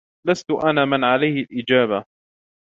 لست أنا من عليه الإجابة.